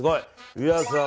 皆さん